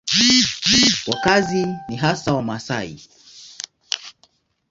Wakazi ni hasa Wamasai.